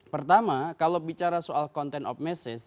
pertama kalau bicara soal content of message